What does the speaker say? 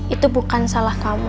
itu bukan salah kamu